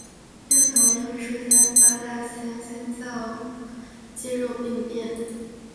病童亦会出现发大性心脏肌肉病变。